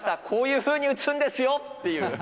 こういうふうに打つんですよっていう。